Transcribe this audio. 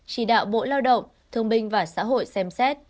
chỉ đạo bộ lao động thương binh và xã hội xem xét